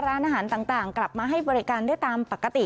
ร้านอาหารต่างกลับมาให้บริการได้ตามปกติ